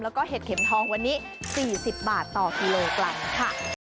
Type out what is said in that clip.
แล้วก็เห็ดเข็มทองวันนี้๔๐บาทต่อกิโลกรัมค่ะ